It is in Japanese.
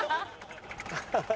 ハハハハ。